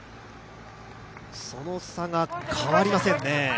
その差が変わりませんね。